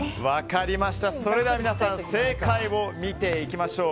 それでは皆さん正解を見ていきましょう。